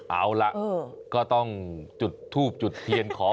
เอาล่ะก็ต้องจุดทูบจุดเทียนขอ